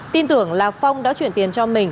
tin tưởng là phong đã chuyển tiền cho mình